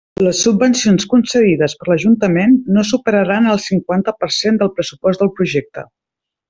Les subvencions concedides per l'Ajuntament no superaran el cinquanta per cent del pressupost del projecte.